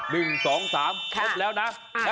นี่๑๒๓ก็แล้วนะ